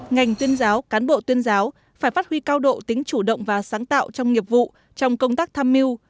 ngành tuyên giáo cán bộ tuyên giáo phải phát huy cao độ tính chủ động và sáng tạo trong nghiệp vụ trong công tác tham mưu